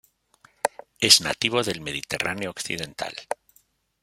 Es nativo del Mediterráneo occidental.